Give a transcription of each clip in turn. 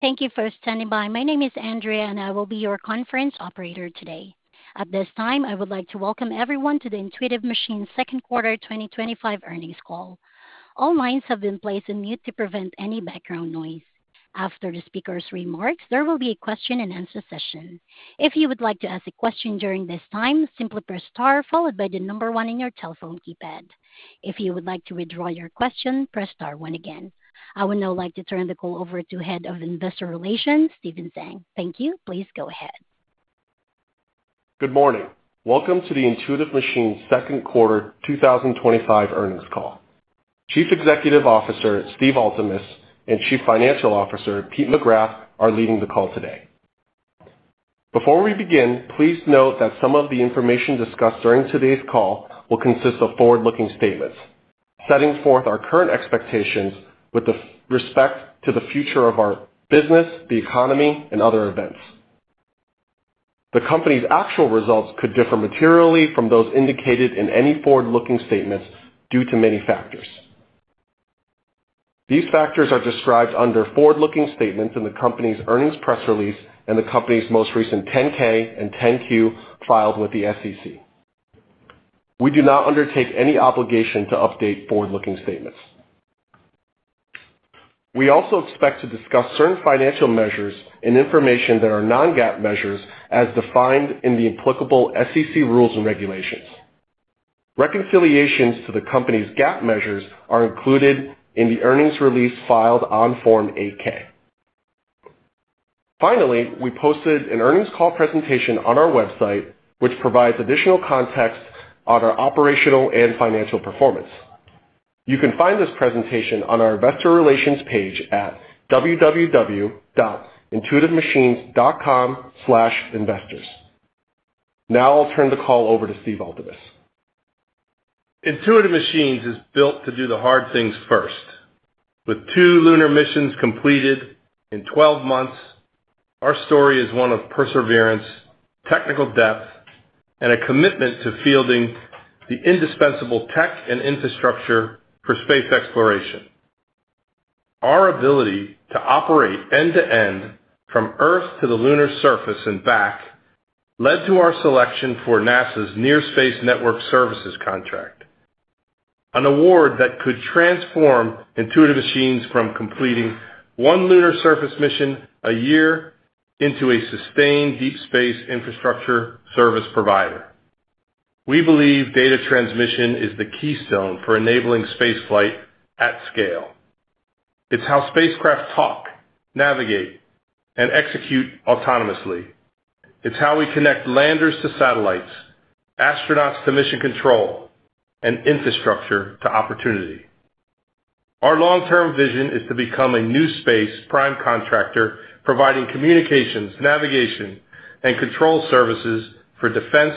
Thank you for standing by. My name is Andrea, and I will be your conference operator today. At this time, I would like to welcome everyone to the Intuitive Machines second quarter 2025 earnings call. All lines have been placed on mute to prevent any background noise. After the speaker's remarks, there will be a question and answer session. If you would like to ask a question during this time, simply press star followed by the number one on your telephone keypad. If you would like to withdraw your question, press star one again. I would now like to turn the call over to Head of Investor Relations, Stephen Zhang. Thank you. Please go ahead. Good morning. Welcome to the Intuitive Machines second quarter 2025 earnings call. Chief Executive Officer, Steve Altemus, and Chief Financial Officer, Pete McGrath, are leading the call today. Before we begin, please note that some of the information discussed during today's call will consist of forward-looking statements, setting forth our current expectations with respect to the future of our business, the economy, and other events. The company's actual results could differ materially from those indicated in any forward-looking statements due to many factors. These factors are described under forward-looking statements in the company's earnings press release and the company's most recent 10-K and 10-Q filed with the SEC. We do not undertake any obligation to update forward-looking statements. We also expect to discuss certain financial measures and information that are non-GAAP measures as defined in the applicable SEC rules and regulations. Reconciliations to the company's GAAP measures are included in the earnings release filed on Form 8-K. Finally, we posted an earnings call presentation on our website, which provides additional context on our operational and financial performance. You can find this presentation on our Investor Relations page at www.intuitivemachines.com/investors. Now I'll turn the call over to Steve Altemus. Intuitive Machines is built to do the hard things first. With two lunar missions completed in 12 months, our story is one of perseverance, technical depth, and a commitment to fielding the indispensable tech and infrastructure for space exploration. Our ability to operate end-to-end from Earth to the lunar surface and back led to our selection for NASA's Near Space Network Services contract, an award that could transform Intuitive Machines from completing one lunar surface mission a year into a sustained deep space infrastructure service provider. We believe data transmission is the keystone for enabling space flight at scale. It's how spacecraft talk, navigate, and execute autonomously. It's how we connect landers to satellites, astronauts to mission control, and infrastructure to opportunity. Our long-term vision is to become a new space prime contractor, providing communications, navigation, and control services for defense,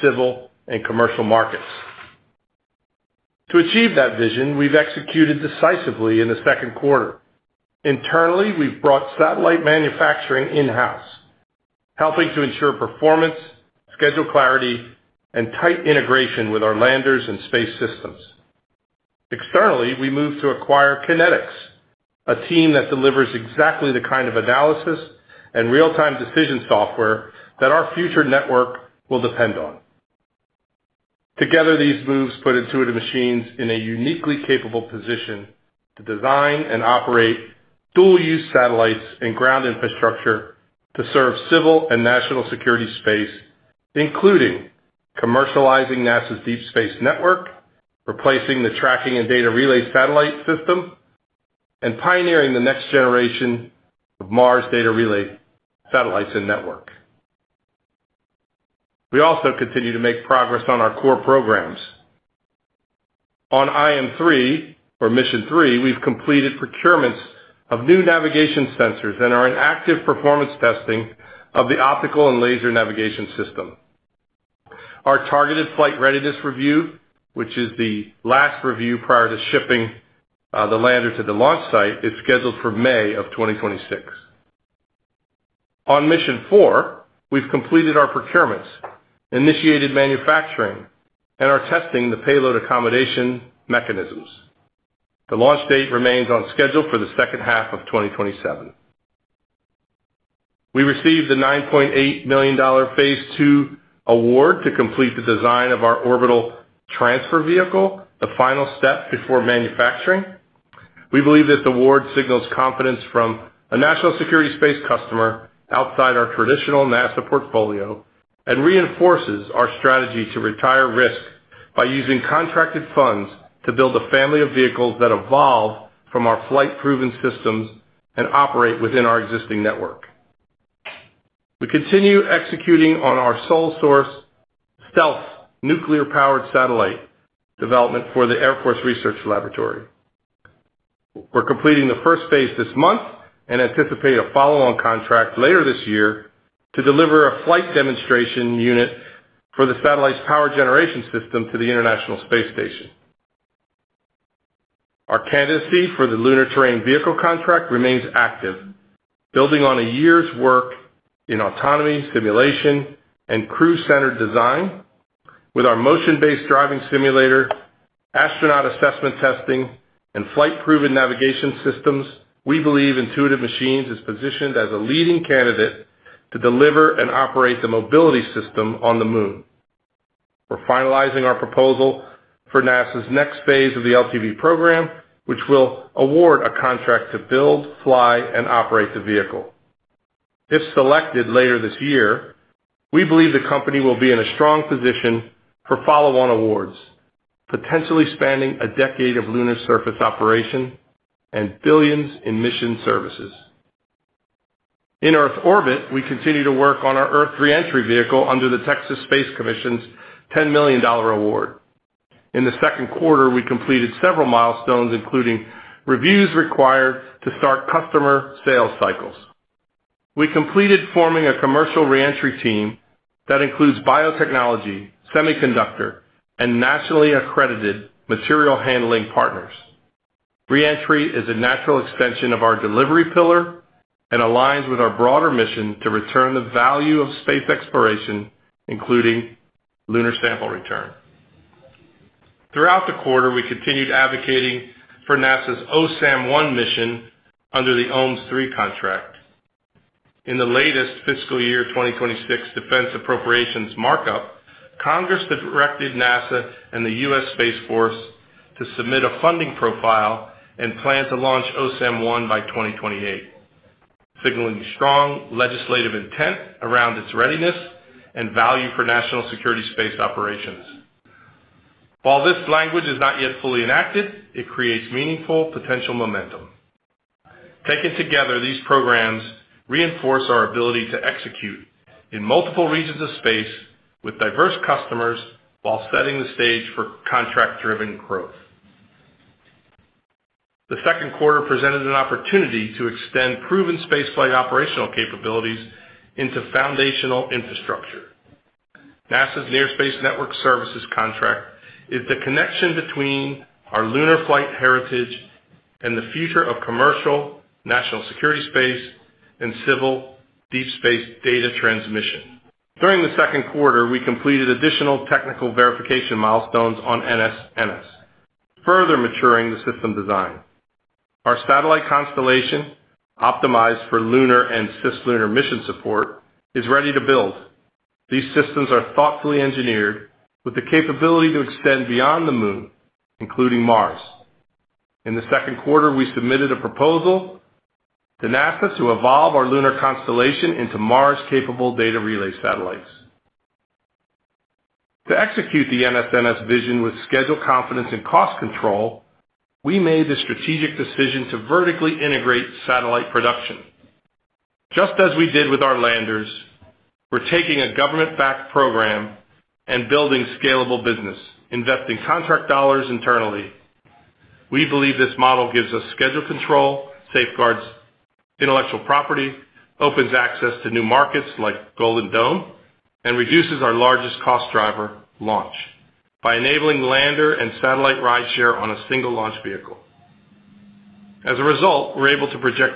civil, and commercial markets. To achieve that vision, we've executed decisively in the second quarter. Internally, we've brought satellite manufacturing in-house, helping to ensure performance, schedule clarity, and tight integration with our landers and space systems. Externally, we moved to acquire KinetX, a team that delivers exactly the kind of analysis and real-time decision software that our future network will depend on. Together, these moves put Intuitive Machines in a uniquely capable position to design and operate dual-use satellites and ground infrastructure to serve civil and national security space, including commercializing NASA's Deep Space Network, replacing the tracking and data relay satellite system, and pioneering the next generation of Mars data relay satellites and network. We also continue to make progress on our core programs. On IM-3, or Mission 3, we've completed procurements of new navigation sensors and are in active performance testing of the optical and laser navigation system. Our targeted flight readiness review, which is the last review prior to shipping the lander to the launch site, is scheduled for May of 2026. On Mission 4, we've completed our procurements, initiated manufacturing, and are testing the payload accommodation mechanisms. The launch date remains on schedule for the second half of 2027. We received the $9.8 million Phase 2 award to complete the design of our orbital transfer vehicle, the final step before manufacturing. We believe that the award signals confidence from a national security space customer outside our traditional NASA portfolio and reinforces our strategy to retire risk by using contracted funds to build a family of vehicles that evolve from our flight-proven systems and operate within our existing network. We continue executing on our sole source, stealth nuclear-powered satellite development for the Air Force Research Laboratory. We're completing the first phase this month and anticipate a follow-on contract later this year to deliver a flight demonstration unit for the satellite's power generation system to the International Space Station. Our candidacy for the Lunar Terrain Vehicle contract remains active, building on a year's work in autonomy, simulation, and crew-centered design. With our motion-based driving simulator, astronaut assessment testing, and flight-proven navigation systems, we believe Intuitive Machines is positioned as a leading candidate to deliver and operate the mobility system on the moon. We're finalizing our proposal for NASA's next phase of the LTV program, which will award a contract to build, fly, and operate the vehicle. If selected later this year, we believe the company will be in a strong position for follow-on awards, potentially spanning a decade of lunar surface operation and billions in mission services. In Earth orbit, we continue to work on our Earth reentry vehicle under the Texas Space Commission's $10 million award. In the second quarter, we completed several milestones, including reviews required to start customer sales cycles. We completed forming a commercial reentry team that includes biotechnology, semiconductor, and nationally accredited material handling partners. Reentry is a natural extension of our delivery pillar and aligns with our broader mission to return the value of space exploration, including lunar sample return. Throughout the quarter, we continued advocating for NASA's OSAM-1 mission under the OMES III contract. In the latest fiscal year 2026 defense appropriations markup, Congress directed NASA and the U.S. Space Force to submit a funding profile and plan to launch OSAM-1 by 2028, signaling strong legislative intent around its readiness and value for national security space operations. While this language is not yet fully enacted, it creates meaningful potential momentum. Taken together, these programs reinforce our ability to execute in multiple regions of space with diverse customers while setting the stage for contract-driven growth. The second quarter presented an opportunity to extend proven space flight operational capabilities into foundational infrastructure. NASA's Near Space Network Services contract is the connection between our lunar flight heritage and the future of commercial national security space and civil deep space data transmission. During the second quarter, we completed additional technical verification milestones on NSNS, further maturing the system design. Our satellite constellation, optimized for lunar and cislunar mission support, is ready to build. These systems are thoughtfully engineered with the capability to extend beyond the moon, including Mars. In the second quarter, we submitted a proposal to NASA to evolve our lunar constellation into Mars-capable data relay satellites. To execute the NSNS vision with scheduled confidence and cost control, we made the strategic decision to vertically integrate satellite production. Just as we did with our landers, we're taking a government-backed program and building scalable business, investing contract dollars internally. We believe this model gives us schedule control, safeguards intellectual property, opens access to new markets like Golden Dome, and reduces our largest cost driver, launch, by enabling lander and satellite rideshare on a single launch vehicle. As a result, we're able to project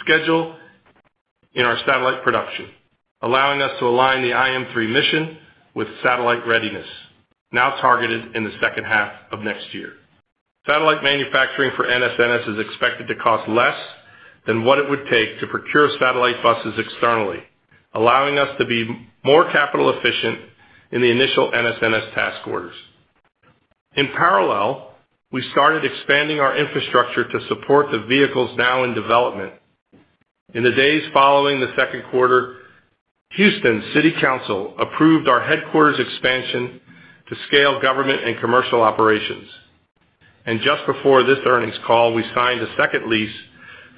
schedule in our satellite production, allowing us to align the IM-3 mission with satellite readiness, now targeted in the second half of next year. Satellite manufacturing for NSNS is expected to cost less than what it would take to procure satellite buses externally, allowing us to be more capital efficient in the initial NSNS task orders. In parallel, we started expanding our infrastructure to support the vehicles now in development. In the days following the second quarter, Houston City Council approved our headquarters expansion to scale government and commercial operations. Just before this earnings call, we signed a second lease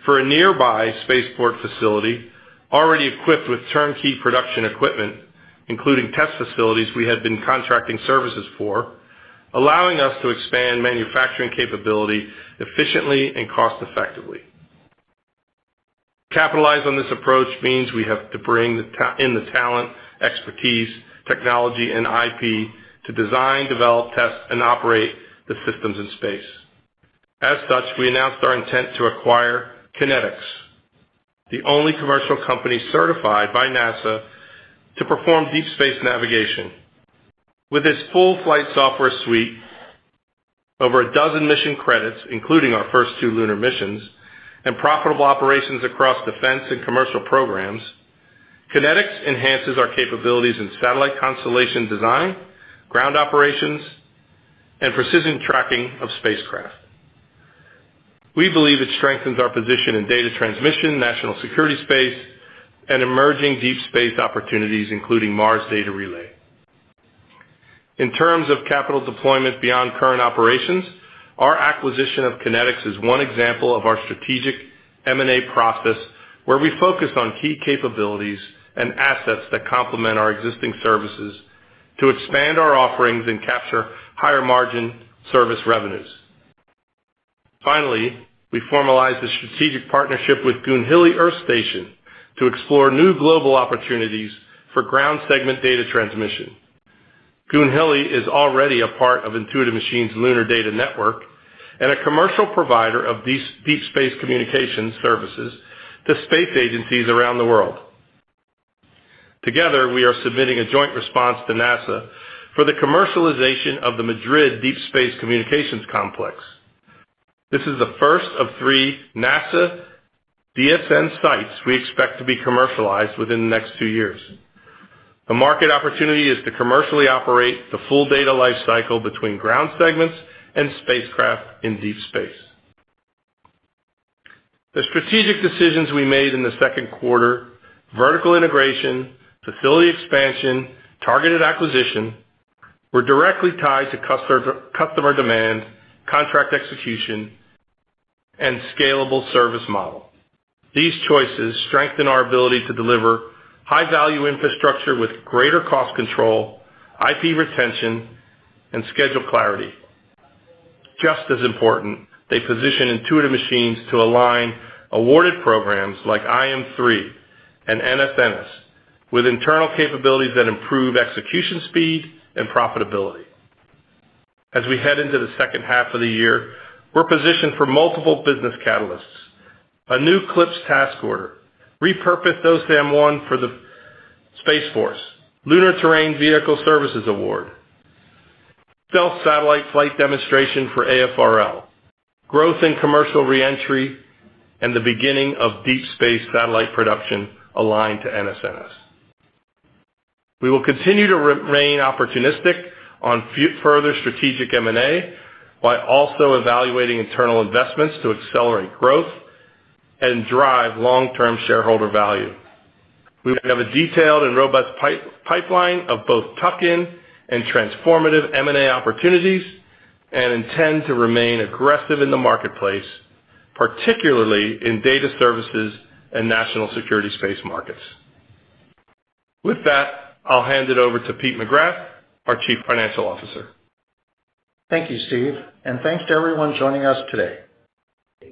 for a nearby spaceport facility already equipped with turnkey production equipment, including test facilities we had been contracting services for, allowing us to expand manufacturing capability efficiently and cost-effectively. Capitalizing on this approach means we have to bring in the talent, expertise, technology, and IP to design, develop, test, and operate the systems in space. As such, we announced our intent to acquire KinetX, the only commercial company certified by NASA to perform deep space navigation. With its full flight software suite, over a dozen mission credits, including our first two lunar missions, and profitable operations across defense and commercial programs, KinetX enhances our capabilities in satellite constellation design, ground operations, and precision tracking of spacecraft. We believe it strengthens our position in data transmission, national security space, and emerging deep space opportunities, including Mars data relay. In terms of capital deployment beyond current operations, our acquisition of KinetX is one example of our strategic M&A process, where we focused on key capabilities and assets that complement our existing services to expand our offerings and capture higher margin service revenues. Finally, we formalized a strategic partnership with Goonhilly Earth Station to explore new global opportunities for ground segment data transmission. Goonhilly Earth Station is already a part of Intuitive Machines' lunar data network and a commercial provider of deep space communications services to space agencies around the world. Together, we are submitting a joint response to NASA for the commercialization of the Madrid Deep Space Communications Complex. This is the first of three NASA DSN sites we expect to be commercialized within the next two years. A market opportunity is to commercially operate the full data lifecycle between ground segments and spacecraft in deep space. The strategic decisions we made in the second quarter, vertical integration, facility expansion, and targeted acquisition, were directly tied to customer demand, contract execution, and scalable service model. These choices strengthen our ability to deliver high-value infrastructure with greater cost control, IP retention, and schedule clarity. Just as important, they position Intuitive Machines to align awarded programs like IM-3 and NSNS with internal capabilities that improve execution speed and profitability. As we head into the second half of the year, we're positioned for multiple business catalysts: a new CLPS task order, repurpose OSAM-1 for the U.S. Space Force, Lunar Terrain Vehicle Services Award, stealth satellite flight demonstration for AFRL, growth in commercial reentry, and the beginning of deep space satellite production aligned to NSNS. We will continue to remain opportunistic on further strategic M&A while also evaluating internal investments to accelerate growth and drive long-term shareholder value. We have a detailed and robust pipeline of both tuck-in and transformative M&A opportunities and intend to remain aggressive in the marketplace, particularly in data services and national security space markets. With that, I'll hand it over to Pete McGrath, our Chief Financial Officer. Thank you, Steve, and thanks to everyone joining us today.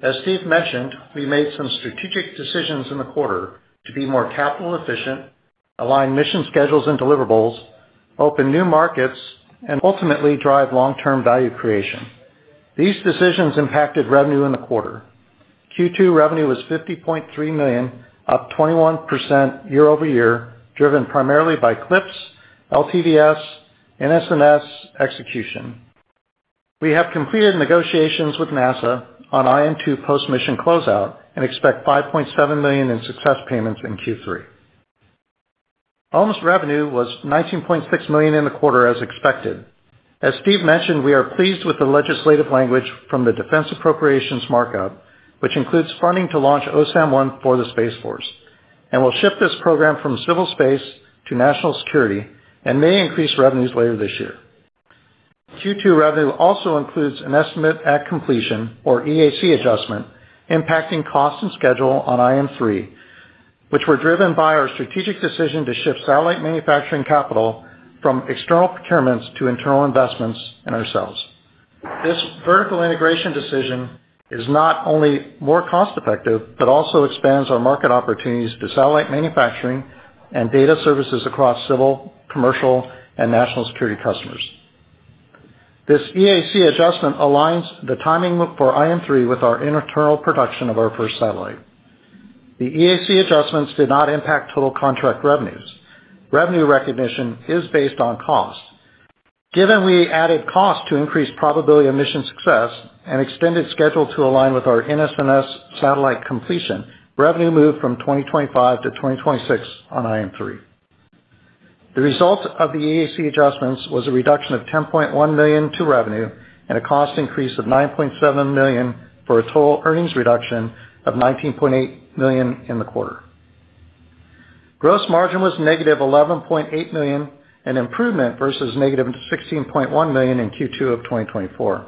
As Steve mentioned, we made some strategic decisions in the quarter to be more capital efficient, align mission schedules and deliverables, open new markets, and ultimately drive long-term value creation. These decisions impacted revenue in the quarter. Q2 revenue was $50.3 million, up 21% year-over-year, driven primarily by CLPS, LTVS, and NSNS execution. We have completed negotiations with NASA on IM-2 post-mission closeout and expect $5.7 million in success payments in Q3. Almost revenue was $19.6 million in the quarter as expected. As Steve mentioned, we are pleased with the legislative language from the defense appropriations markup, which includes funding to launch OSAM-1 for the Space Force and will shift this program from civil space to national security and may increase revenues later this year. Q2 revenue also includes an estimate at completion, or EAC adjustment, impacting costs and schedule on IM-3, which were driven by our strategic decision to shift satellite manufacturing capital from external procurements to internal investments in ourselves. This vertical integration decision is not only more cost-effective but also expands our market opportunities to satellite manufacturing and data services across civil, commercial, and national security customers. This EAC adjustment aligns the timing for IM-3 with our internal production of our first satellite. The EAC adjustments did not impact total contract revenues. Revenue recognition is based on cost. Given we added cost to increase probability of mission success and extended schedule to align with our NSNS satellite completion, revenue moved from 2025 to 2026 on IM-3. The result of the EAC adjustments was a reduction of $10.1 million to revenue and a cost increase of $9.7 million for a total earnings reduction of $19.8 million in the quarter. Gross margin was negative $11.8 million, an improvement versus negative $16.1 million in Q2 of 2024.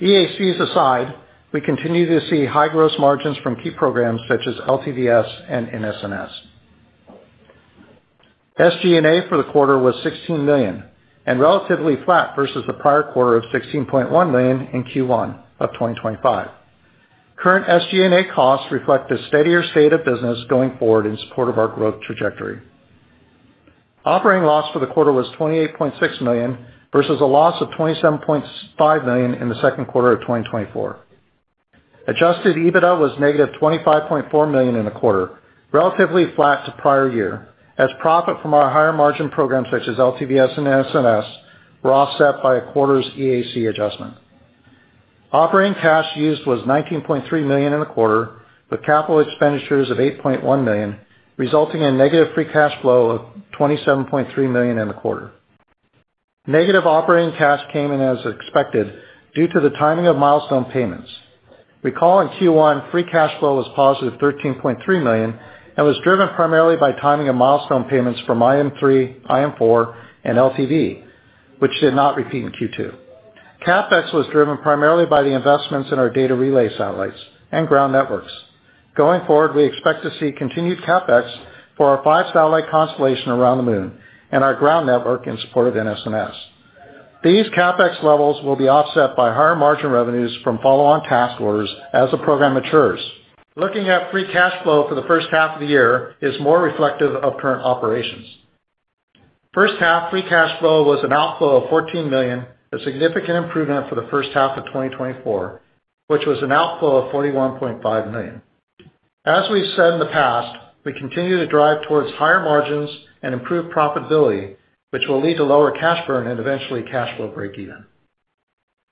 EACs aside, we continue to see high gross margins from key programs such as LTVS and NSNS. SG&A for the quarter was $16 million and relatively flat versus the prior quarter of $16.1 million in Q1 of 2025. Current SG&A costs reflect a steadier state of business going forward in support of our growth trajectory. Operating loss for the quarter was $28.6 million versus a loss of $27.5 million in the second quarter of 2024. Adjusted EBITDA was negative $25.4 million in the quarter, relatively flat to prior year, as profit from our higher margin programs such as LTVS and NSNS were offset by a quarter's EAC adjustment. Operating cash used was $19.3 million in the quarter, but capital expenditures of $8.1 million, resulting in a negative free cash flow of $27.3 million in the quarter. Negative operating cash came in as expected due to the timing of milestone payments. Recall in Q1, free cash flow was positive $13.3 million and was driven primarily by timing of milestone payments from IM-3, IM-4, and LTV, which did not repeat in Q2. CapEx was driven primarily by the investments in our data relay satellites and ground networks. Going forward, we expect to see continued CapEx for our five satellite constellations around the moon and our ground network in support of NSNS. These CapEx levels will be offset by higher margin revenues from follow-on task orders as the program matures. Looking at free cash flow for the first half of the year is more reflective of current operations. First half free cash flow was an outflow of $14 million, a significant improvement for the first half of 2024, which was an outflow of $41.5 million. As we've said in the past, we continue to drive towards higher margins and improved profitability, which will lead to lower cash burn and eventually cash flow break-even.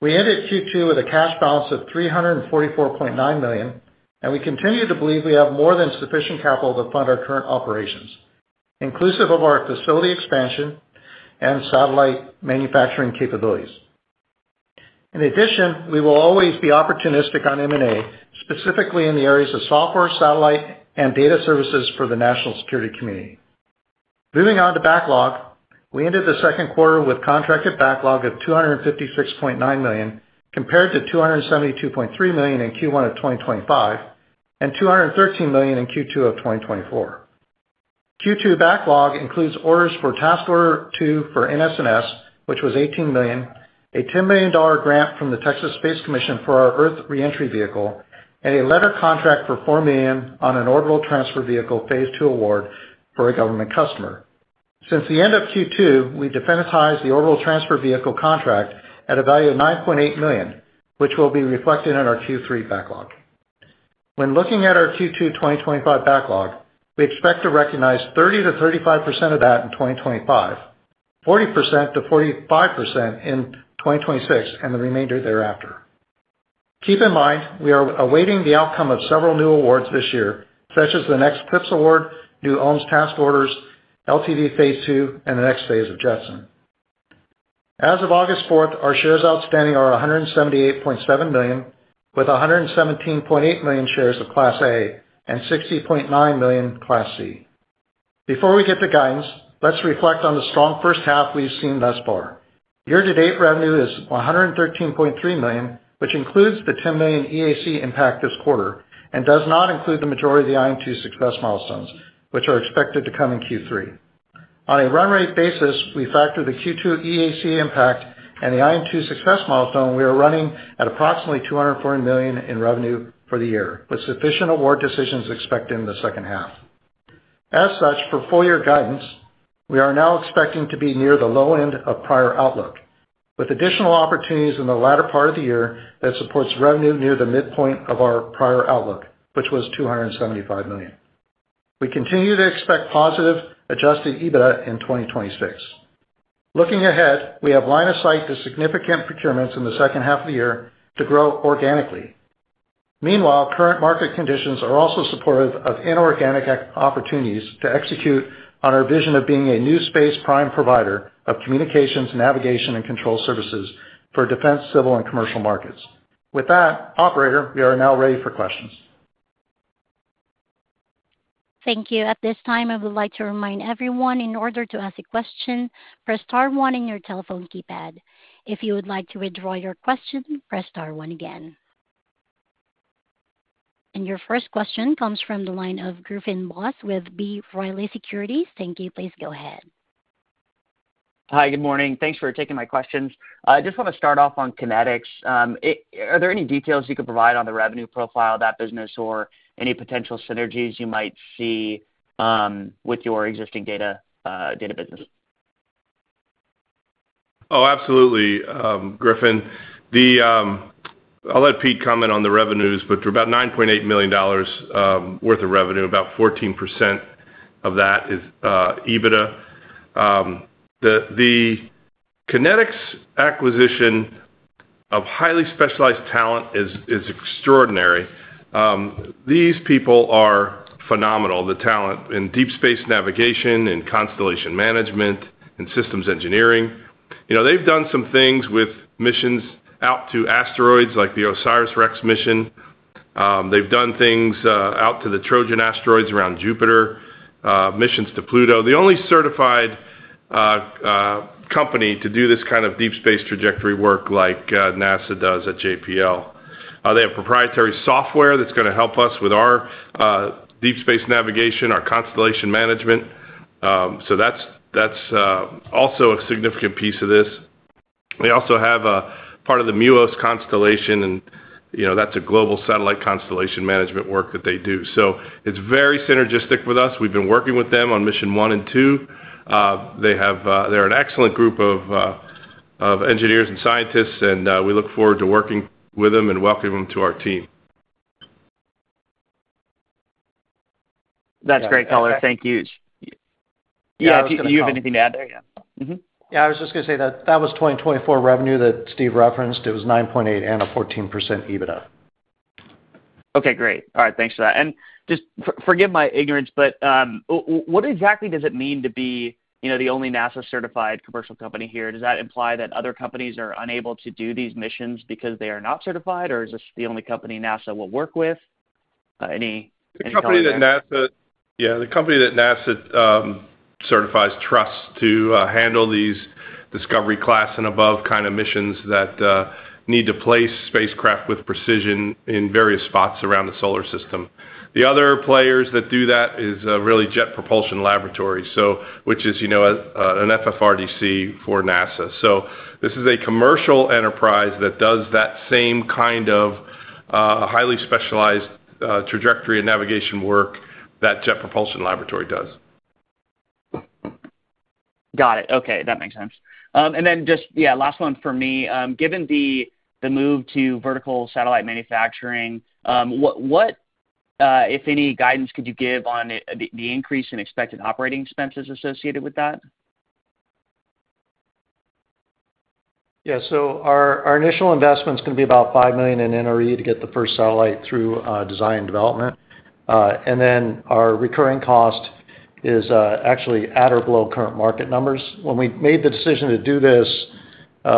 We ended Q2 with a cash balance of $344.9 million, and we continue to believe we have more than sufficient capital to fund our current operations, inclusive of our facility expansion and satellite manufacturing capabilities. In addition, we will always be opportunistic on M&A, specifically in the areas of software, satellite, and data services for the national security community. Moving on to backlog, we ended the second quarter with contracted backlog of $256.9 million compared to $272.3 million in Q1 of 2025 and $213 million in Q2 of 2024. Q2 backlog includes orders for Task Order 2 for NSNS, which was $18 million, a $10 million grant from the Texas Space Commission for our Earth reentry vehicle, and a letter contract for $4 million on an orbital transfer vehicle Phase 2 award for a government customer. Since the end of Q2, we've defenditized the orbital transfer vehicle contract at a value of $9.8 million, which will be reflected in our Q3 backlog. When looking at our Q2 2025 backlog, we expect to recognize 30% to 35% of that in 2025, 40% to 45% in 2026, and the remainder thereafter. Keep in mind, we are awaiting the outcome of several new awards this year, such as the next CLPS award, new OMES task orders, LTV Phase 2, and the next phase of Jetson. As of August 4th, our shares outstanding are 178.7 million, with 117.8 million shares of Class A and 60.9 million Class C. Before we get to guidance, let's reflect on the strong first half we've seen thus far. Year-to-date revenue is $113.3 million, which includes the $10 million EAC impact this quarter and does not include the majority of the IM-2 success milestones, which are expected to come in Q3. On a run-rate basis, we factor the Q2 EAC impact and the IM-2 success milestone. We are running at approximately $240 million in revenue for the year, with sufficient award decisions expected in the second half. As such, for full-year guidance, we are now expecting to be near the low end of prior outlook, with additional opportunities in the latter part of the year that support revenue near the midpoint of our prior outlook, which was $275 million. We continue to expect positive adjusted EBITDA in 2026. Looking ahead, we have line of sight to significant procurements in the second half of the year to grow organically. Meanwhile, current market conditions are also supportive of inorganic opportunities to execute on our vision of being a new space prime provider of communications, navigation, and control services for defense, civil, and commercial markets. With that, operator, we are now ready for questions. Thank you. At this time, I would like to remind everyone, in order to ask a question, press star one on your telephone keypad. If you would like to withdraw your question, press star one again. Your first question comes from the line of Griffin Boss with B. Riley Securities. Thank you. Please go ahead. Hi, good morning. Thanks for taking my questions. I just want to start off on KinetX. Are there any details you could provide on the revenue profile of that business or any potential synergies you might see with your existing data data business? Oh, absolutely, Griffin. I'll let Pete comment on the revenues, but about $9.8 million worth of revenue, about 14% of that is EBITDA. The KinetX acquisition of highly specialized talent is extraordinary. These people are phenomenal, the talent in deep space navigation and constellation management and systems engineering. They've done some things with missions out to asteroids like the OSIRIS-REx mission. They've done things out to the Trojan asteroids around Jupiter, missions to Pluto. The only certified company to do this kind of deep space trajectory work like NASA does at JPL. They have proprietary software that's going to help us with our deep space navigation, our constellation management. That's also a significant piece of this. They also have a part of the MUOS constellation, and that's a global satellite constellation management work that they do. It's very synergistic with us. We've been working with them on mission one and two. They're an excellent group of engineers and scientists, and we look forward to working with them and welcoming them to our team. That's great, color. Thank you. If you have anything to add there, yeah. Yeah, I was just going to say that that was 2024 revenue that Steve referenced. It was $9.8 million and a 14% EBITDA. Okay, great. All right, thanks for that. Forgive my ignorance, but what exactly does it mean to be, you know, the only NASA-certified commercial company here? Does that imply that other companies are unable to do these missions because they are not certified, or is this the only company NASA will work with? The company that NASA certifies trusts to handle these Discovery Class and above kind of missions that need to place spacecraft with precision in various spots around the solar system. The other players that do that is really Jet Propulsion Laboratory, which is, you know, an FFRDC for NASA. This is a commercial enterprise that does that same kind of highly specialized trajectory and navigation work that Jet Propulsion Laboratory does. Got it. Okay, that makes sense. Just, yeah, last one for me. Given the move to vertical satellite manufacturing, what, if any, guidance could you give on the increase in expected operating expenses associated with that? Yeah, our initial investments can be about $5 million in NRE to get the first satellite through design and development. Our recurring cost is actually at or below current market numbers. When we made the decision to do this,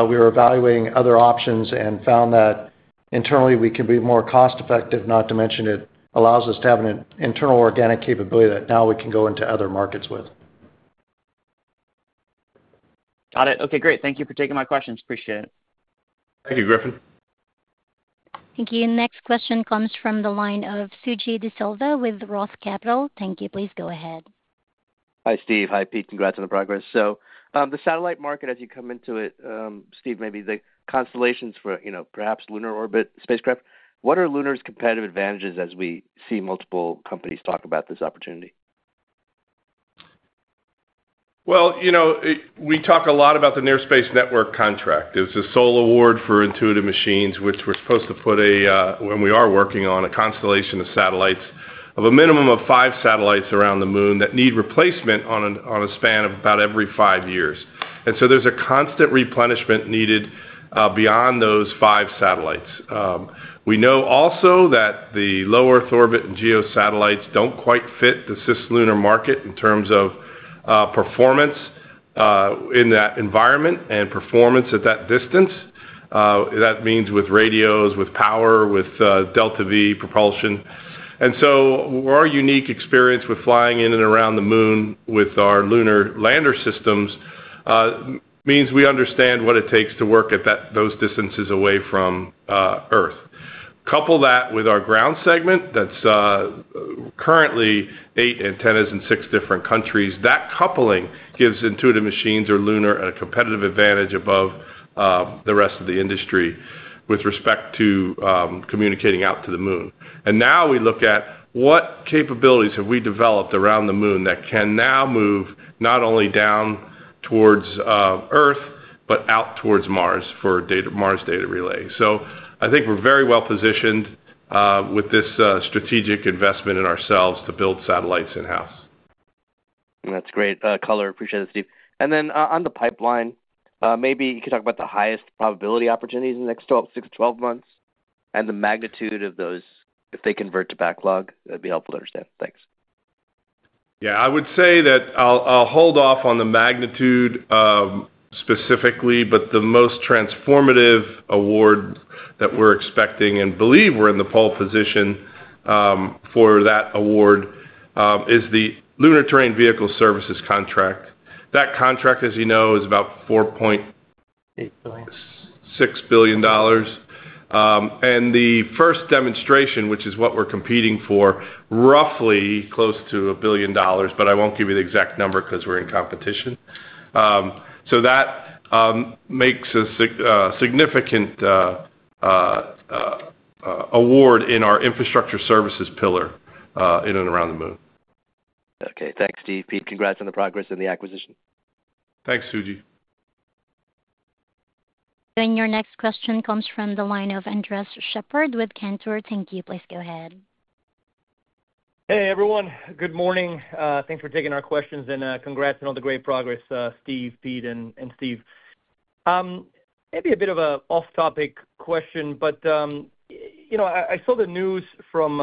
we were evaluating other options and found that internally we could be more cost-effective. Not to mention, it allows us to have an internal organic capability that now we can go into other markets with. Got it. Okay, great. Thank you for taking my questions. Appreciate it. Thank you, Griffin. Thank you. Next question comes from the line of Suji Desilva with Roth Capital. Thank you. Please go ahead. Hi, Steve. Hi, Pete. Congrats on the progress. The satellite market, as you come into it, Steve, maybe the constellations for, you know, perhaps lunar orbit spacecraft, what are Intuitive Machines' competitive advantages as we see multiple companies talk about this opportunity? You know, we talk a lot about the Near Space Network contract. It's a sole award for Intuitive Machines, which we're supposed to put a, when we are working on a constellation of satellites, a minimum of five satellites around the moon that need replacement on a span of about every five years. There's a constant replenishment needed beyond those five satellites. We know also that the low Earth orbit and geo satellites don't quite fit the cislunar market in terms of performance in that environment and performance at that distance. That means with radios, with power, with delta-v propulsion. Our unique experience with flying in and around the moon with our lunar lander systems means we understand what it takes to work at those distances away from Earth. Couple that with our ground segment that's currently eight antennas in six different countries. That coupling gives Intuitive Machines or Lunar a competitive advantage above the rest of the industry with respect to communicating out to the moon. Now we look at what capabilities have we developed around the moon that can now move not only down towards Earth but out towards Mars for Mars data relay. I think we're very well positioned with this strategic investment in ourselves to build satellites in-house. That's great, color. Appreciate it, Steve. On the pipeline, maybe you could talk about the highest probability opportunities in the next six to 12 months and the magnitude of those, if they convert to backlog. That'd be helpful to understand. Thanks. Yeah, I would say that I'll hold off on the magnitude specifically, but the most transformative award that we're expecting, and believe we're in the pole position for that award, is the Lunar Terrain Vehicle Services contract. That contract, as you know, is about $4.6 billion. The first demonstration, which is what we're competing for, is roughly close to $1 billion, but I won't give you the exact number because we're in competition. That makes us a significant award in our infrastructure services pillar in and around the moon. Okay, thanks, Steve. Pete, congrats on the progress and the acquisition. Thanks, Suji. Your next question comes from the line of Andres Sheppard with Cantor. Thank you. Please go ahead. Hey everyone, good morning. Thanks for taking our questions and congrats on all the great progress, Steve, Pete, and Steve. Maybe a bit of an off-topic question, but I saw the news from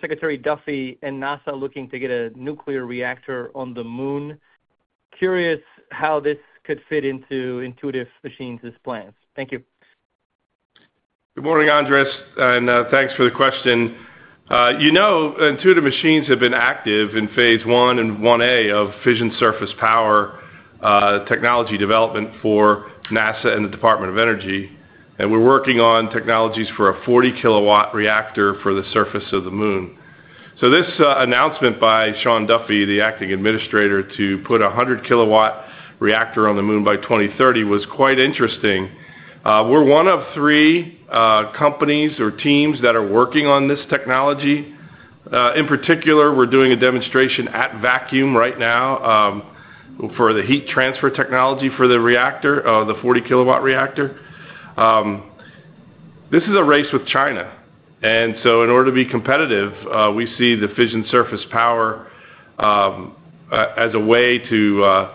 Secretary Duffy and NASA looking to get a nuclear reactor on the moon. Curious how this could fit into Intuitive Machines' plans. Thank you. Good morning, Andres, and thanks for the question. You know, Intuitive Machines have been active in phase one and one A of fission surface power technology development for NASA and the Department of Energy. We're working on technologies for a 40 kW reactor for the surface of the moon. This announcement by Sean Duffy, the Acting Administrator, to put a 100 kW reactor on the moon by 2030 was quite interesting. We're one of three companies or teams that are working on this technology. In particular, we're doing a demonstration at vacuum right now for the heat transfer technology for the reactor, the 40 kW reactor. This is a race with China. In order to be competitive, we see the fission surface power as a way to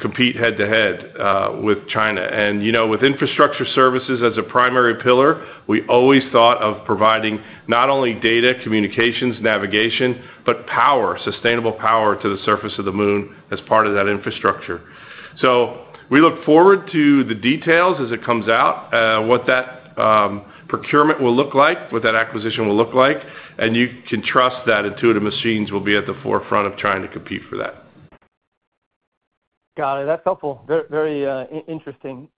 compete head-to-head with China. With infrastructure services as a primary pillar, we always thought of providing not only data, communications, navigation, but power, sustainable power to the surface of the moon as part of that infrastructure. We look forward to the details as it comes out, what that procurement will look like, what that acquisition will look like. You can trust that Intuitive Machines will be at the forefront of trying to compete for that. Got it. That's helpful. Very interesting.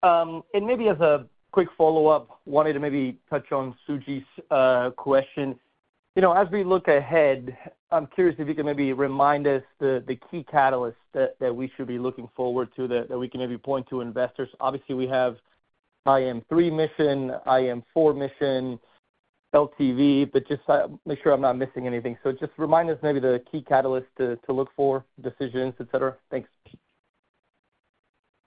Maybe as a quick follow-up, wanted to maybe touch on Suji's question. You know, as we look ahead, I'm curious if you could maybe remind us the key catalysts that we should be looking forward to that we can maybe point to investors. Obviously, we have IM-3 mission, IM-4 mission, LTV, but just make sure I'm not missing anything. Just remind us maybe the key catalysts to look for, decisions, etc. Thanks.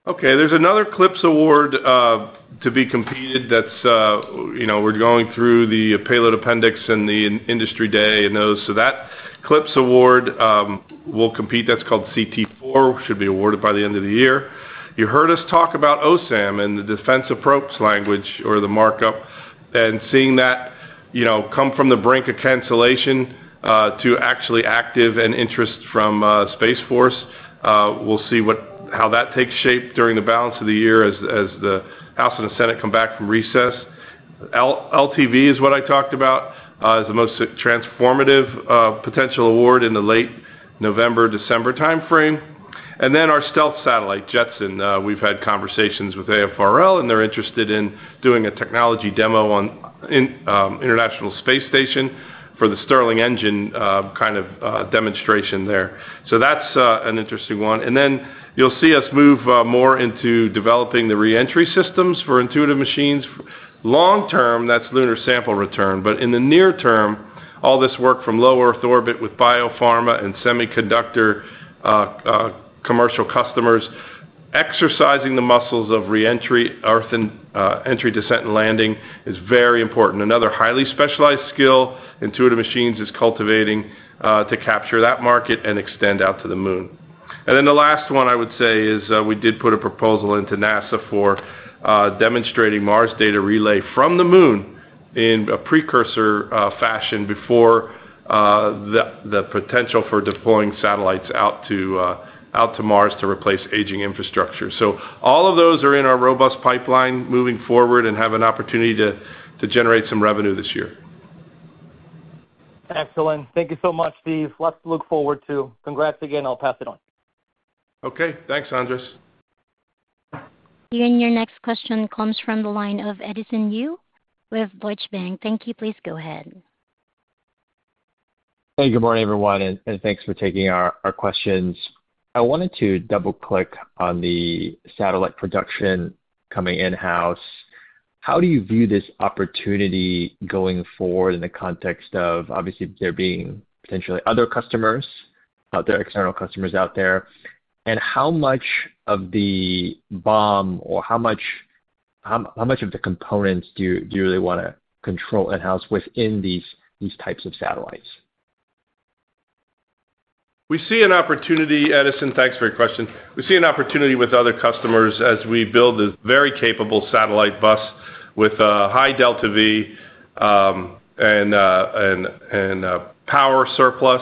Okay, there's another CLPS award to be competed that's, you know, we're going through the payload appendix and the industry day and those. That CLPS award we'll compete, that's called CT4, should be awarded by the end of the year. You heard us talk about OSAM and the defense approach language or the markup and seeing that, you know, come from the brink of cancellation to actually active and interest from Space Force. We'll see how that takes shape during the balance of the year as the House and the Senate come back from recess. LTV is what I talked about as the most transformative potential award in the late November, December timeframe. Our stealth satellite, Jetson, we've had conversations with AFRL and they're interested in doing a technology demo on the International Space Station for the Stirling engine kind of demonstration there. That's an interesting one. You'll see us move more into developing the reentry systems for Intuitive Machines. Long term, that's lunar sample return. In the near term, all this work from low Earth orbit with biopharma and semiconductor commercial customers, exercising the muscles of reentry, Earth entry, descent, and landing is very important. Another highly specialized skill Intuitive Machines is cultivating to capture that market and extend out to the moon. The last one I would say is we did put a proposal into NASA for demonstrating Mars data relay from the moon in a precursor fashion before the potential for deploying satellites out to Mars to replace aging infrastructure. All of those are in our robust pipeline moving forward and have an opportunity to generate some revenue this year. Excellent. Thank you so much, Steve. Look forward to it. Congrats again. I'll pass it on. Okay, thanks, Andres. Your next question comes from the line of Edison Yu with Deutsche Bank. Thank you. Please go ahead. Hey, good morning everyone, and thanks for taking our questions. I wanted to double click on the satellite production coming in-house. How do you view this opportunity going forward in the context of obviously there being potentially other customers, other external customers out there, and how much of the BOM or how much of the components do you really want to control in-house within these types of satellites? We see an opportunity, Edison, thanks for your question. We see an opportunity with other customers as we build a very capable satellite bus with a high delta-v and power surplus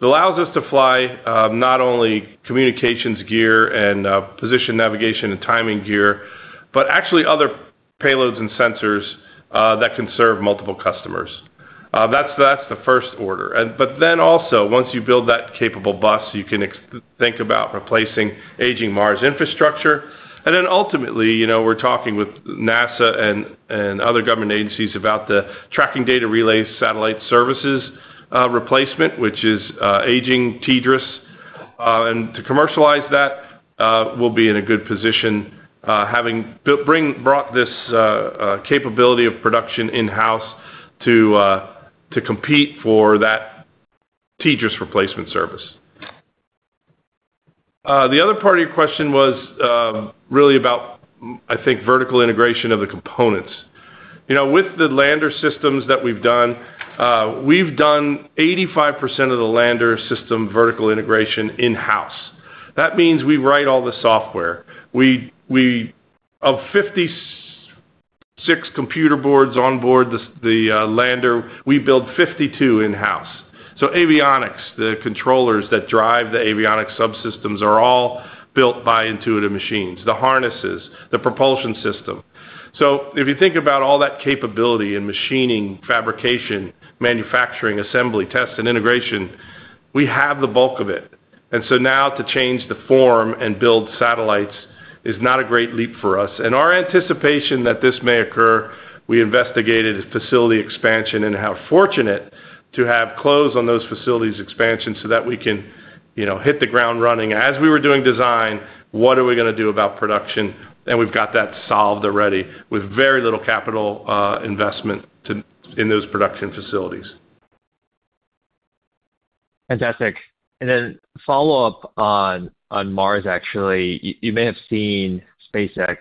that allows us to fly not only communications gear and position navigation and timing gear, but actually other payloads and sensors that can serve multiple customers. That's the first order. Once you build that capable bus, you can think about replacing aging Mars infrastructure. Ultimately, you know, we're talking with NASA and other government agencies about the tracking data relay satellite services replacement, which is aging TDRS. To commercialize that, we'll be in a good position having brought this capability of production in-house to compete for that TDRS replacement service. The other part of your question was really about, I think, vertical integration of the components. With the lander systems that we've done, we've done 85% of the lander system vertical integration in-house. That means we write all the software. Of 56 computer boards onboard the lander, we build 52 in-house. Avionics, the controllers that drive the avionics subsystems are all built by Intuitive Machines, the harnesses, the propulsion system. If you think about all that capability in machining, fabrication, manufacturing, assembly, tests, and integration, we have the bulk of it. Now to change the form and build satellites is not a great leap for us. Our anticipation that this may occur, we investigated facility expansion and how fortunate to have closed on those facilities expansions so that we can, you know, hit the ground running as we were doing design. What are we going to do about production? We've got that solved already with very little capital investment in those production facilities. Fantastic. For a follow up on Mars, actually, you may have seen SpaceX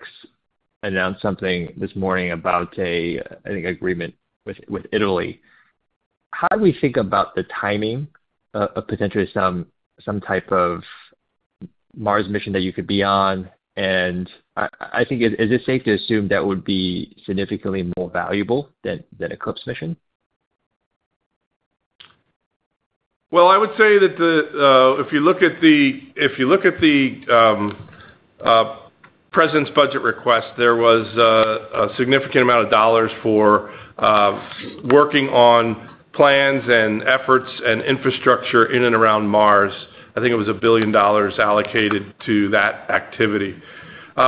announce something this morning about an agreement with Italy. How do we think about the timing of potentially some type of Mars mission that you could be on? I think, is it safe to assume that would be significantly more valuable than a CLPS mission? If you look at the president's budget request, there was a significant amount of dollars for working on plans and efforts and infrastructure in and around Mars. I think it was $1 billion allocated to that activity.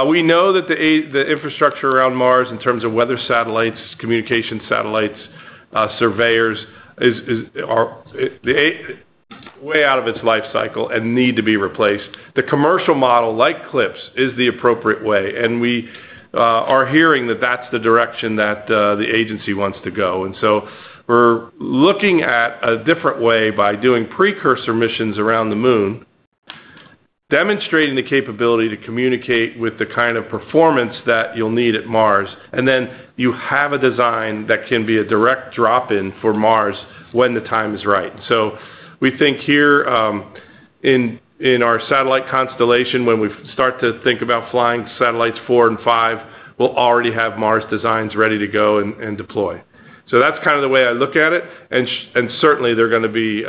We know that the infrastructure around Mars in terms of weather satellites, communication satellites, surveyors are way out of its life cycle and need to be replaced. The commercial model, like CLPS, is the appropriate way. We are hearing that that's the direction that the agency wants to go. We're looking at a different way by doing precursor missions around the moon, demonstrating the capability to communicate with the kind of performance that you'll need at Mars. You have a design that can be a direct drop-in for Mars when the time is right. We think here in our satellite constellation, when we start to think about flying satellites four and five, we'll already have Mars designs ready to go and deploy. That's kind of the way I look at it. Certainly, they're going to be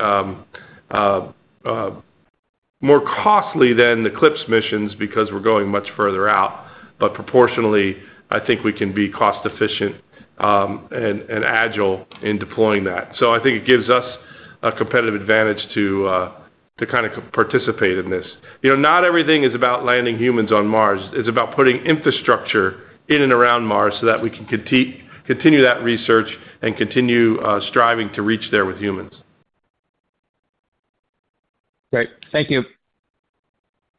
more costly than the CLPS missions because we're going much further out. Proportionally, I think we can be cost-efficient and agile in deploying that. I think it gives us a competitive advantage to kind of participate in this. Not everything is about landing humans on Mars. It's about putting infrastructure in and around Mars so that we can continue that research and continue striving to reach there with humans. Great. Thank you.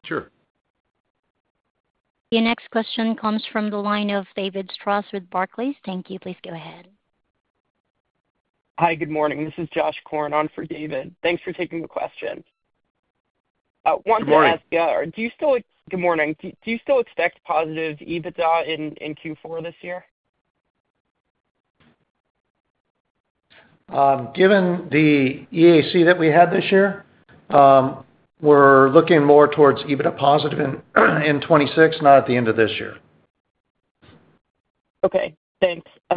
Sure. Your next question comes from the line of David Strauss with Barclays. Thank you. Please go ahead. Hi, good morning. This is Josh Korn on for David. Thanks for taking the question. Good morning. Good morning, do you still expect positive EBITDA in Q4 this year? Given the EAC that we had this year, we're looking more towards EBITDA positive in 2026, not at the end of this year. Okay, thanks. I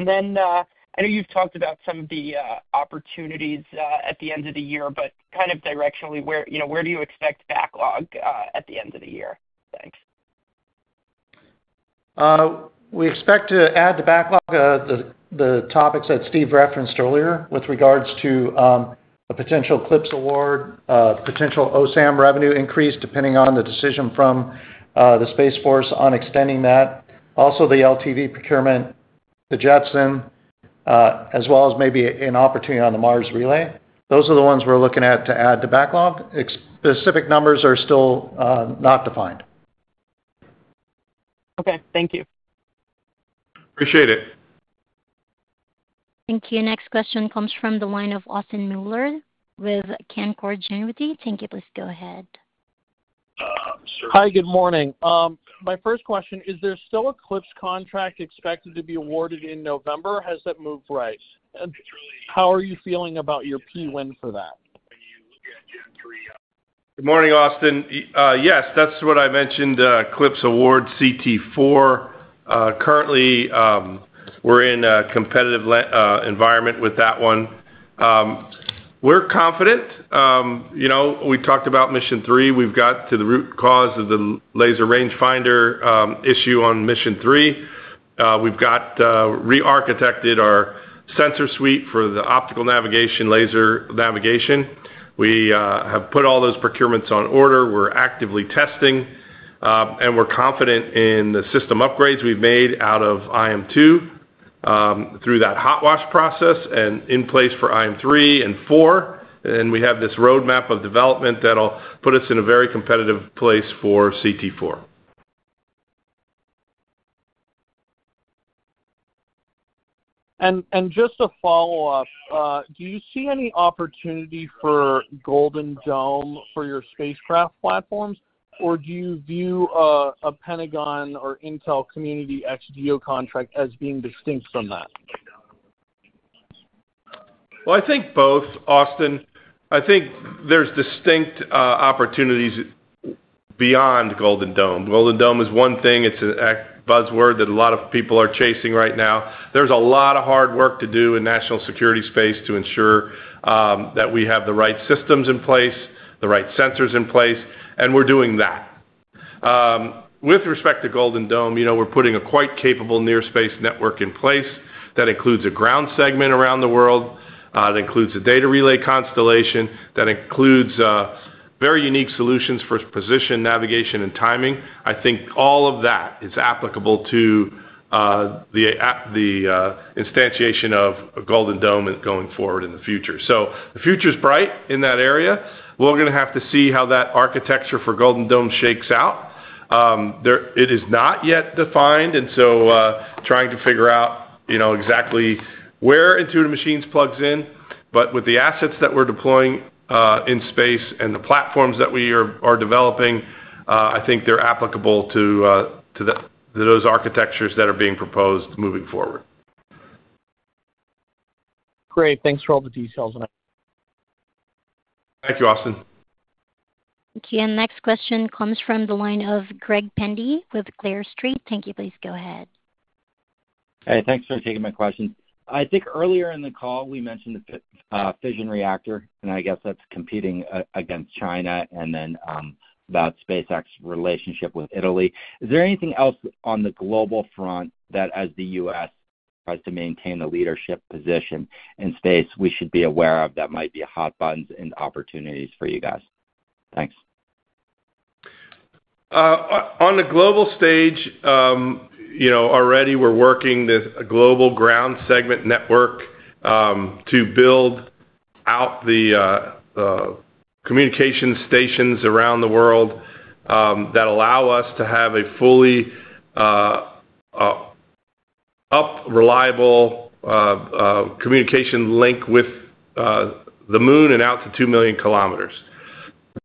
know you've talked about some of the opportunities at the end of the year, but kind of directionally, where do you expect backlog at the end of the year? Thanks. We expect to add to backlog the topics that Steve referenced earlier with regards to a potential CLPS award, potential OSAM revenue increase, depending on the decision from the Space Force on extending that. Also, the LTV procurement, the Jetson, as well as maybe an opportunity on the Mars relay. Those are the ones we're looking at to add to backlog. Specific numbers are still not defined. Okay, thank you. Appreciate it. Thank you. Next question comes from the line of Austin Moeller with Canaccord Genuity. Thank you. Please go ahead. Hi, good morning. My first question, is there still a CLPS contract expected to be awarded in November? Has that moved right? How are you feeling about your P(win) for that? Good morning, Austin. Yes, that's what I mentioned, CLPS award CT4. Currently, we're in a competitive environment with that one. We're confident. You know, we talked about mission three. We've got to the root cause of the laser range finder issue on mission three. We've re-architected our sensor suite for the optical navigation, laser navigation. We have put all those procurements on order. We're actively testing, and we're confident in the system upgrades we've made out of IM-2 through that hot wash process and in place for IM-3 and 4. We have this roadmap of development that'll put us in a very competitive place for CT4. Do you see any opportunity for Golden Dome for your spacecraft platforms, or do you view a Pentagon or Intel community ex-geo contract as being distinct from that? I think both, Austin. I think there's distinct opportunities beyond Golden Dome. Golden Dome is one thing. It's a buzzword that a lot of people are chasing right now. There's a lot of hard work to do in the national security space to ensure that we have the right systems in place, the right sensors in place, and we're doing that. With respect to Golden Dome, we're putting a quite capable near space network in place that includes a ground segment around the world, that includes a data relay constellation, that includes very unique solutions for position, navigation, and timing. I think all of that is applicable to the instantiation of Golden Dome going forward in the future. The future's bright in that area. We're going to have to see how that architecture for Golden Dome shakes out. It is not yet defined, and trying to figure out exactly where Intuitive Machines plugs in. With the assets that we're deploying in space and the platforms that we are developing, I think they're applicable to those architectures that are being proposed moving forward. Great. Thanks for all the details. Thank you, Austin. Thank you. Next question comes from the line of Greg Pendy with Clear Street. Thank you. Please go ahead. Hey, thanks for taking my question. I think earlier in the call, we mentioned the fission reactor, and I guess that's competing against China, and then about SpaceX's relationship with Italy. Is there anything else on the global front that, as the U.S. tries to maintain a leadership position in space, we should be aware of that might be hot buttons and opportunities for you guys? Thanks. On the global stage, you know, already we're working with a global ground segment network to build out the communication stations around the world that allow us to have a fully up, reliable communication link with the moon and out to 2 million km.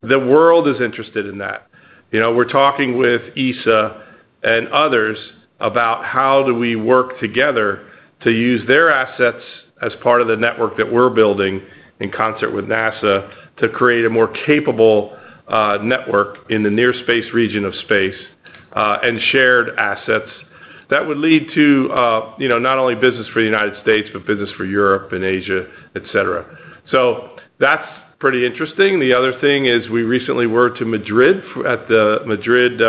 The world is interested in that. You know, we're talking with ESA and others about how do we work together to use their assets as part of the network that we're building in concert with NASA to create a more capable network in the near space region of space and shared assets that would lead to, you know, not only business for the United States, but business for Europe and Asia, etc. That's pretty interesting. The other thing is we recently were to Madrid at the Madrid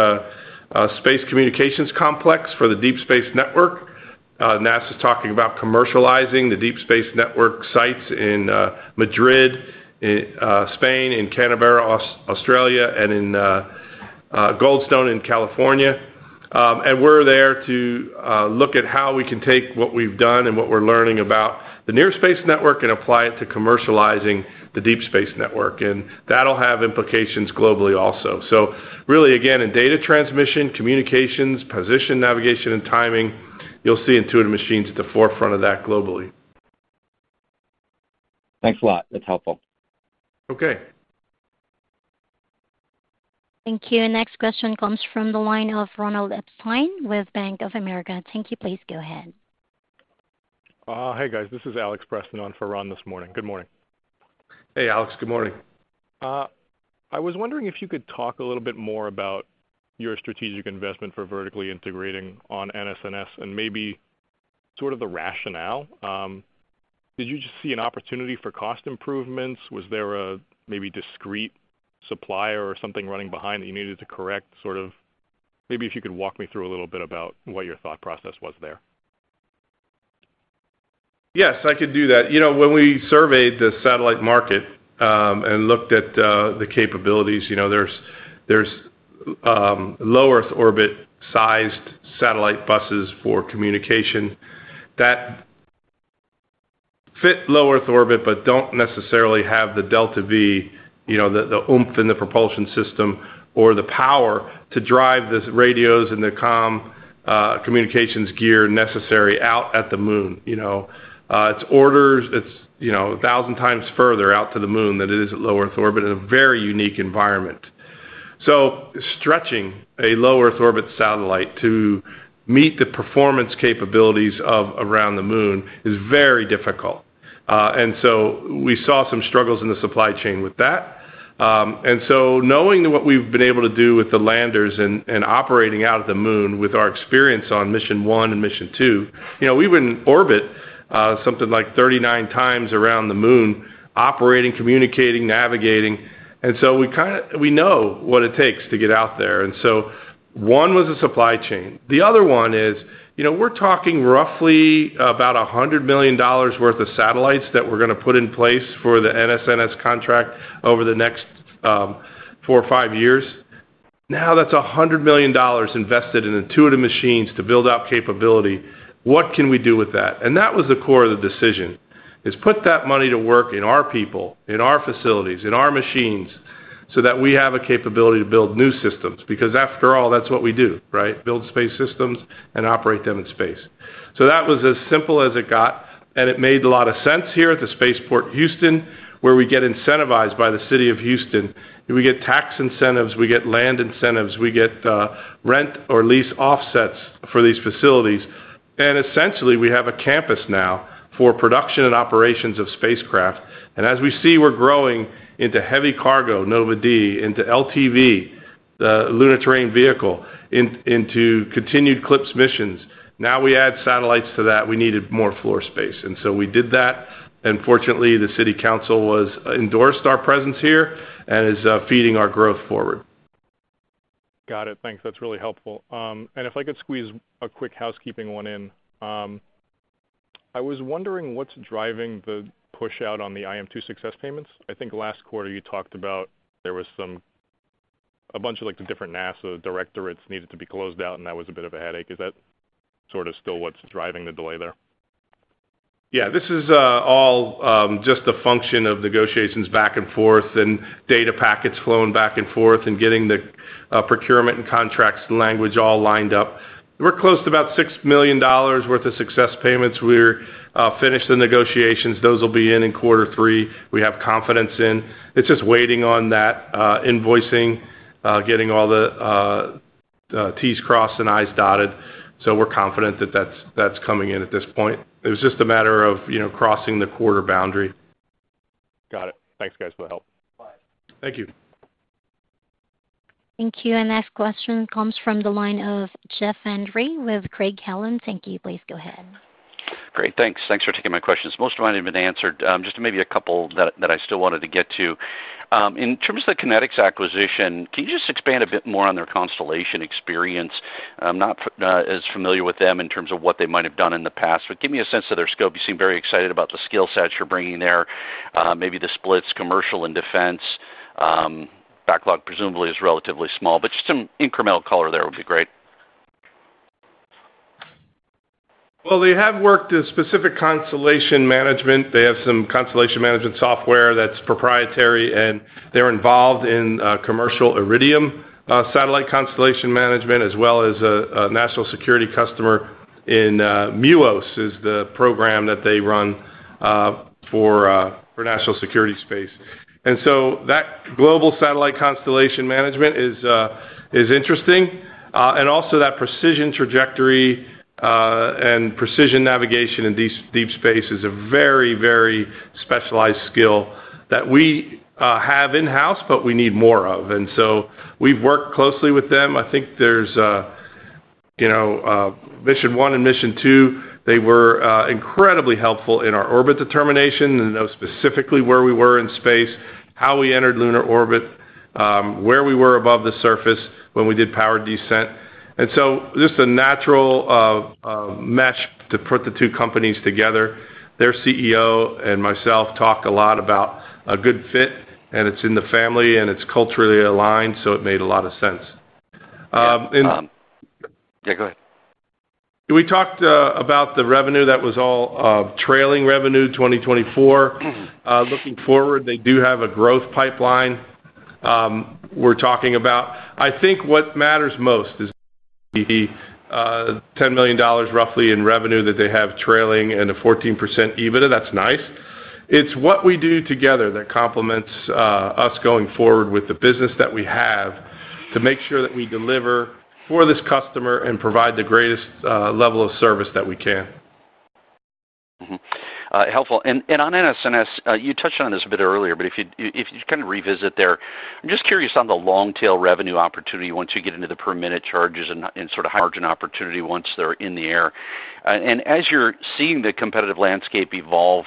Space Communications Complex for the Deep Space Network. NASA is talking about commercializing the Deep Space Network sites in Madrid, Spain, in Canaveral, Australia, and in Goldstone in California. We're there to look at how we can take what we've done and what we're learning about the Near Space Network and apply it to commercializing the Deep Space Network. That'll have implications globally also. Really, again, in data transmission, communications, position, navigation, and timing, you'll see Intuitive Machines at the forefront of that globally. Thanks a lot. That's helpful. Okay. Thank you. Next question comes from the line of Ronald Epstein with Bank of America. Thank you. Please go ahead. Hey guys, this is Alexander Christian Preston on for Ron this morning. Good morning. Hey Alex, good morning. I was wondering if you could talk a little bit more about your strategic investment for vertically integrating on NSNS and maybe sort of the rationale. Did you just see an opportunity for cost improvements? Was there a maybe discrete supplier or something running behind that you needed to correct? Maybe if you could walk me through a little bit about what your thought process was there. Yes, I could do that. You know, when we surveyed the satellite market and looked at the capabilities, you know, there's low Earth orbit sized satellite buses for communication that fit low Earth orbit but don't necessarily have the delta-v, you know, the oomph in the propulsion system or the power to drive the radios and the communications gear necessary out at the moon. It's orders, it's, you know, a thousand times further out to the moon than it is at low Earth orbit in a very unique environment. Stretching a low Earth orbit satellite to meet the performance capabilities of around the moon is very difficult. We saw some struggles in the supply chain with that. Knowing what we've been able to do with the landers and operating out of the moon with our experience on mission one and mission two, we've been in orbit something like 39 times around the moon, operating, communicating, navigating. We know what it takes to get out there. One was a supply chain. The other one is, we're talking roughly about $100 million worth of satellites that we're going to put in place for the NSNS contract over the next four or five years. Now that's $100 million invested in Intuitive Machines to build up capability. What can we do with that? That was the core of the decision, put that money to work in our people, in our facilities, in our machines so that we have a capability to build new systems because after all, that's what we do, right? Build space systems and operate them in space. That was as simple as it got. It made a lot of sense here at the Spaceport Houston where we get incentivized by the city of Houston. We get tax incentives, we get land incentives, we get rent or lease offsets for these facilities. Essentially, we have a campus now for production and operations of spacecraft. As we see, we're growing into heavy cargo, Nova-D, into LTV, the Lunar Terrain Vehicle, into continued CLPS missions. Now we add satellites to that. We needed more floor space, and we did that. Fortunately, the city council endorsed our presence here and is feeding our growth forward. Got it. Thanks. That's really helpful. If I could squeeze a quick housekeeping one in, I was wondering what's driving the push out on the IM-2 success payments. I think last quarter you talked about there was a bunch of the different NASA directorates needed to be closed out, and that was a bit of a headache. Is that sort of still what's driving the delay there? Yeah, this is all just a function of negotiations back and forth and data packets flowing back and forth and getting the procurement and contracts language all lined up. We're close to about $6 million worth of success payments. We've finished the negotiations. Those will be in in quarter three. We have confidence in it. It's just waiting on that invoicing, getting all the T's crossed and I's dotted. We're confident that that's coming in at this point. It was just a matter of crossing the quarter boundary. Got it. Thanks, guys, for the help. Thank you. Thank you. Next question comes from the line of Jeff Van Rhee with Craig-Hallum. Thank you. Please go ahead. Great, thanks. Thanks for taking my questions. Most of mine have been answered. Just maybe a couple that I still wanted to get to. In terms of the KinetX acquisition, can you just expand a bit more on their constellation experience? I'm not as familiar with them in terms of what they might have done in the past, but give me a sense of their scope. You seem very excited about the skill sets you're bringing there. Maybe the splits commercial and defense. Backlog presumably is relatively small, but some incremental color there would be great. They have worked a specific constellation management. They have some constellation management software that's proprietary, and they're involved in commercial Iridium satellite constellation management, as well as a national security customer in MUOS is the program that they run for national security space. That global satellite constellation management is interesting. Also, that precision trajectory and precision navigation in deep space is a very, very specialized skill that we have in-house, but we need more of. We've worked closely with them. I think there's, you know, Mission One and Mission Two, they were incredibly helpful in our orbit determination and know specifically where we were in space, how we entered lunar orbit, where we were above the surface when we did power descent. Just a natural match to put the two companies together. Their CEO and myself talked a lot about a good fit, and it's in the family, and it's culturally aligned, so it made a lot of sense. Yeah, go ahead. We talked about the revenue that was all trailing revenue 2024. Looking forward, they do have a growth pipeline we're talking about. I think what matters most is the $10 million roughly in revenue that they have trailing and a 14% EBITDA. That's nice. It's what we do together that complements us going forward with the business that we have to make sure that we deliver for this customer and provide the greatest level of service that we can. Helpful. On NSNS, you touched on this a bit earlier. If you kind of revisit there, I'm just curious on the long tail revenue opportunity once you get into the per minute charges and sort of margin opportunity once they're in the air. As you're seeing the competitive landscape evolve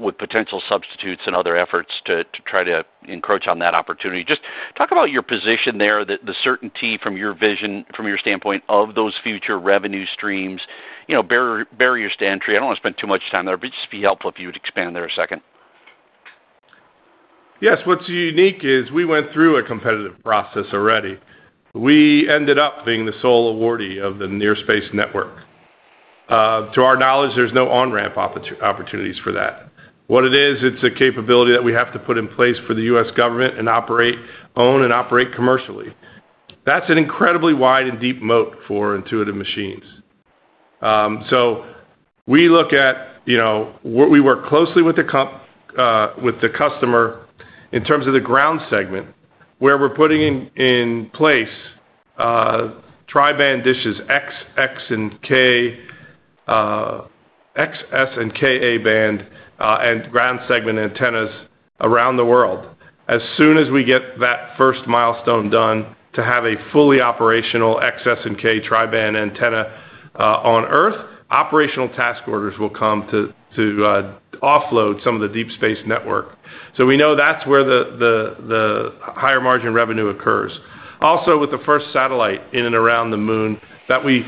with potential substitutes and other efforts to try to encroach on that opportunity, just talk about your position there, the certainty from your vision, from your standpoint of those future revenue streams, barriers to entry. I don't want to spend too much time there, but it'd just be helpful if you would expand there a second. Yes, what's unique is we went through a competitive process already. We ended up being the sole awardee of the Near Space Network. To our knowledge, there's no on-ramp opportunities for that. What it is, it's a capability that we have to put in place for the U.S. government and operate, own, and operate commercially. That's an incredibly wide and deep moat for Intuitive Machines. We look at, you know, we work closely with the customer in terms of the ground segment where we're putting in place tri-band dishes, X, S, and Ka-band, and ground segment antennas around the world. As soon as we get that first milestone done to have a fully operational X, S, and Ka tri-band antenna on Earth, operational task orders will come to offload some of the Deep Space Network. We know that's where the higher margin revenue occurs. Also, with the first satellite in and around the moon that we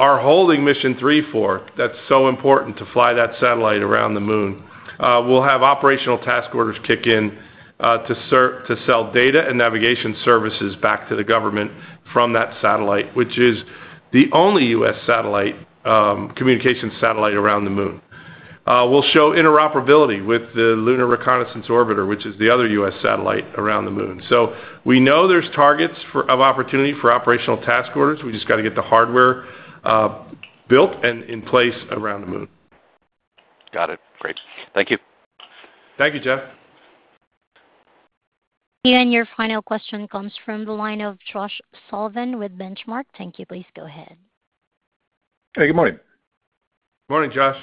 are holding Mission 3 for, that's so important to fly that satellite around the moon, we'll have operational task orders kick in to sell data and navigation services back to the government from that satellite, which is the only U.S. communications satellite around the moon. We'll show interoperability with the Lunar Reconnaissance Orbiter, which is the other U.S. satellite around the moon. We know there's targets of opportunity for operational task orders. We just got to get the hardware built and in place around the moon. Got it. Great. Thank you. Thank you, Jeff. Your final question comes from the line of Josh Sullivan with Benchmark. Thank you. Please go ahead. Hey, good morning. Morning, Josh.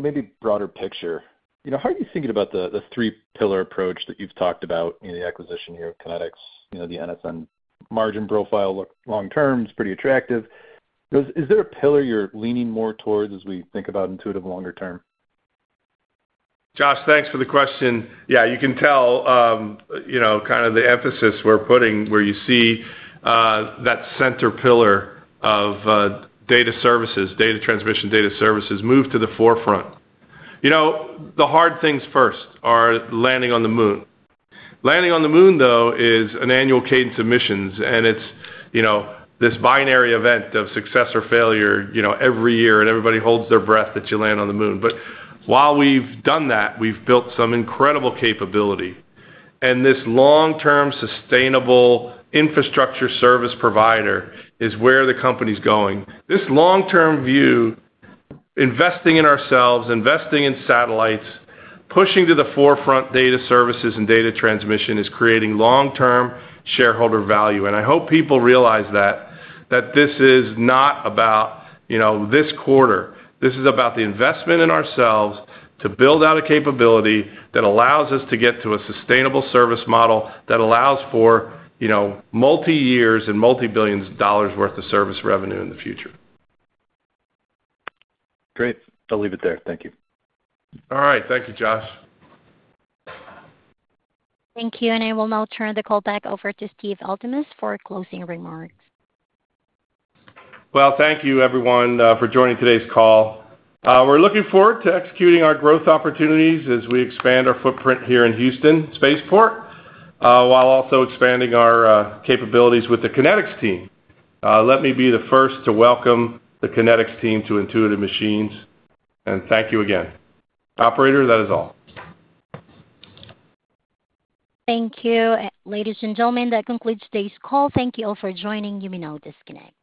Maybe broader picture, how are you thinking about the three-pillar approach that you've talked about in the acquisition here at KinetX? The NSNS margin profile looks long-term, it's pretty attractive. Is there a pillar you're leaning more towards as we think about Intuitive Machines longer term? Josh, thanks for the question. You can tell, you know, kind of the emphasis we're putting where you see that center pillar of data services, data transmission, data services move to the forefront. The hard things first are landing on the moon. Landing on the moon, though, is an annual cadence of missions, and it's, you know, this binary event of success or failure every year, and everybody holds their breath that you land on the moon. While we've done that, we've built some incredible capability. This long-term sustainable infrastructure service provider is where the company's going. This long-term view, investing in ourselves, investing in satellites, pushing to the forefront data services and data transmission is creating long-term shareholder value. I hope people realize that, that this is not about, you know, this quarter. This is about the investment in ourselves to build out a capability that allows us to get to a sustainable service model that allows for multi-years and multi-billion dollars' worth of service revenue in the future. Great. I'll leave it there. Thank you. All right. Thank you, Josh. Thank you. I will now turn the call back over to Steve Altemus for closing remarks. Thank you, everyone, for joining today's call. We're looking forward to executing our growth opportunities as we expand our footprint here in Houston Spaceport, while also expanding our capabilities with the KinetX team. Let me be the first to welcome the KinetX team to Intuitive Machines. Thank you again. Operator, that is all. Thank you, ladies and gentlemen. That concludes today's call. Thank you all for joining. You may now disconnect.